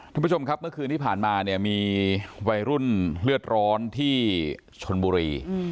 ท่านผู้ชมครับเมื่อคืนที่ผ่านมาเนี่ยมีวัยรุ่นเลือดร้อนที่ชนบุรี